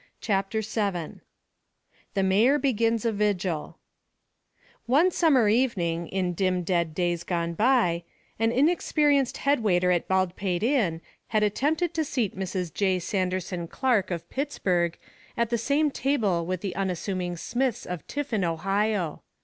CHAPTER VII THE MAYOR BEGINS A VIGIL One summer evening, in dim dead days gone by, an inexperienced head waiter at Baldpate Inn had attempted to seat Mrs. J. Sanderson Clark, of Pittsburgh, at the same table with the unassuming Smiths, of Tiffin, Ohio.